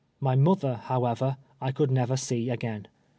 My mother, however, I could never see again.